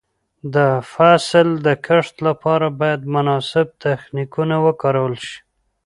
د فصل د کښت لپاره باید مناسب تخنیکونه وکارول شي.